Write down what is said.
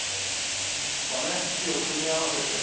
こうね木を組み合わせて。